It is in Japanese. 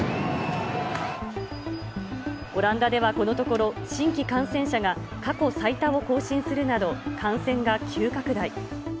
オランダではこのところ、新規感染者が過去最多を更新するなど、感染が急拡大。